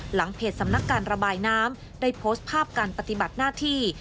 เพจสำนักการระบายน้ำได้โพสต์ภาพการปฏิบัติหน้าที่